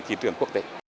thị trường quốc tế